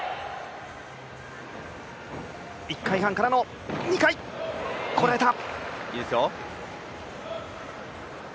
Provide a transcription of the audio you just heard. １回半からの２回、こらえた。